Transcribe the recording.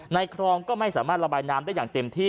คลองก็ไม่สามารถระบายน้ำได้อย่างเต็มที่